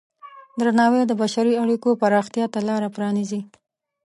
درناوی د بشري اړیکو پراختیا ته لاره پرانیزي.